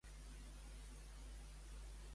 Fra Modest mai no va arribar a prior.